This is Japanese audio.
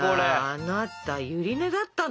あなたゆり根だったの？